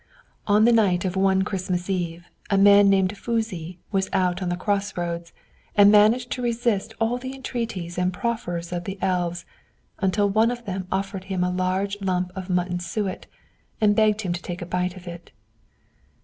On the night of one Christmas Eve, a man named Fusi was out on the cross roads, and managed to resist all the entreaties and proffers of the elves, until one of them offered him a large lump of mutton suet, and begged him to take a bite of it.